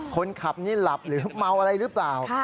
คนขับนี่หลับหรือเมาอะไรหรือเปล่า